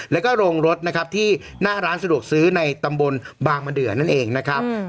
แล้วก็โรงรถนะครับที่หน้าร้านสะดวกซื้อในตำบลบางมะเดือนั่นเองนะครับ